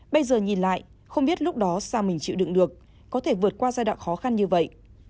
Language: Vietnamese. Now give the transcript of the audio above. bây giờ nhìn lại không biết lúc đó sao mình chịu đựng được có thể vượt qua giai đoạn khó khăn như vậy